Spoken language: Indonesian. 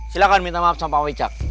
silahkan minta maaf sama pak wicak